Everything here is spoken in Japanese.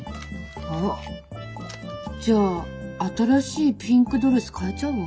あっじゃあ新しいピンクドレス買えちゃうわ。